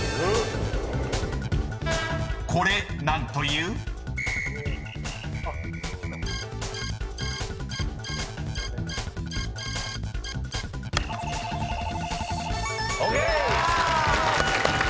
［これ何という？］ＯＫ！